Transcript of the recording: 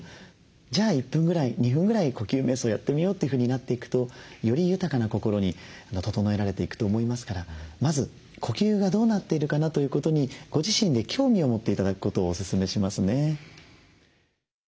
じゃあ１分ぐらい２分ぐらい呼吸めい想やってみようというふうになっていくとより豊かな心に整えられていくと思いますからまず呼吸がどうなっているかなということにご自身で興味を持って頂くことをおすすめしますね。